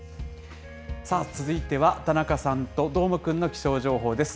さあ、続いては田中さんとどーもくんの気象情報です。